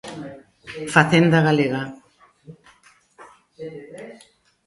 Facenda galega.